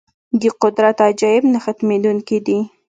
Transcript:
د قدرت عجایب نه ختمېدونکي دي.